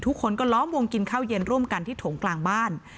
ทุกคนก็ล้อมวงกินข้าวเย็นร่วมกันที่ถงกลางบ้าน